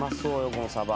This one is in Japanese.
このサバ。